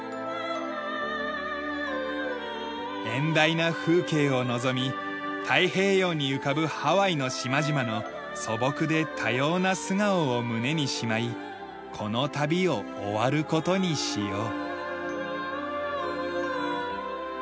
遠大な風景を望み太平洋に浮かぶハワイの島々の素朴で多様な素顔を胸にしまいこの旅を終わる事にしよう。